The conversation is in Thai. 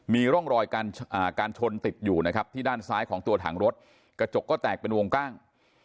มีร่องรอยการชนติดอยู่นะครับที่ด้านซ้ายของตัวถังรถกระจกก็แตกเป็นวงกว้าง